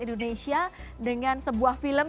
indonesia dengan sebuah film